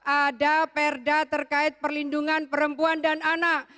ada perda terkait perlindungan perempuan dan anak